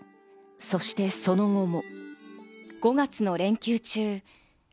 そして、その後も。